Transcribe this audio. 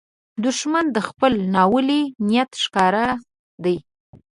دښمن د خپل ناولي نیت ښکار دی